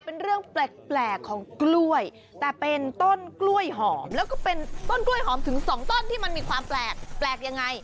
เป็นเรื่องแปลกของกล้วยแต่เป็นต้นกล้วยหอมแล้วก็เป็นต้นกล้วยหอมถึงสองต้นที่มันมีความแปลกแปลกยังไง